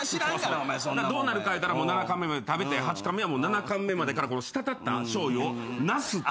どうなるかいうたら７貫目まで食べて８貫目は７貫目までから滴ったしょうゆをなすって。